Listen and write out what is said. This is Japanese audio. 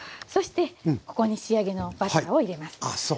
そしてここに仕上げのバターを入れます。